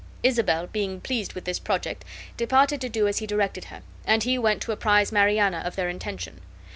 Isabel, being pleased with this project, departed to do as he directed her; and he went to apprise Mariana of their intention.